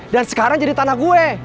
dan sekarang jadi tanah gue